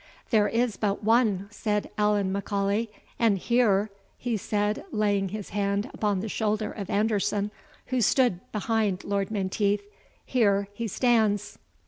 "There is but ONE," said Allan M'Aulay; "and here," he said, laying his hand upon the shoulder of Anderson, who stood behind Lord Menteith, "here he stands!"